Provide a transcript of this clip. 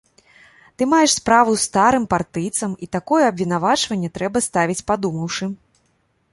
Ты маеш справу з старым партыйцам, і такое абвінавачванне трэба ставіць падумаўшы.